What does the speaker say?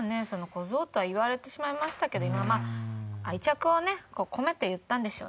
小僧とは言われてしまいましたけどまあ愛着をね込めて言ったんでしょうね